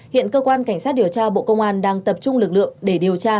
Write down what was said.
hiện cơ quan cảnh sát điều tra bộ công an đang tập trung lực lượng để điều tra